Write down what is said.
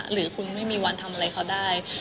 หรือคุณไม่มีวันทำอะไรเขาได้